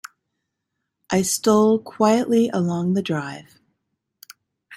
I stole quietly along the drive.